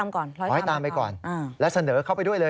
ขอให้ตามไปก่อนและเสนอเข้าไปด้วยเลย